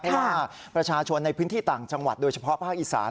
เพราะว่าประชาชนในพื้นที่ต่างจังหวัดโดยเฉพาะภาคอีสาน